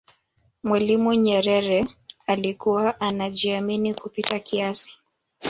mwalimu nyerere alikuwa anajiamini kupita kiasi